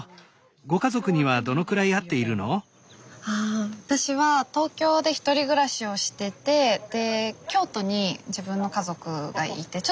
あ私は東京で１人暮らしをしててで京都に自分の家族がいてちょっと離れてるんですよね。